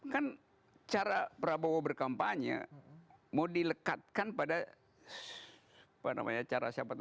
kan cara prabowo berkampanye mau dilekatkan pada apa namanya cara siapa tadi